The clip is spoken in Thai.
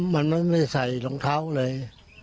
มันไม่ได้ใส่รองเท้าเลย